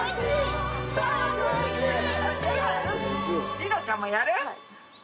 梨乃ちゃんもやる？